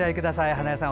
花枝さん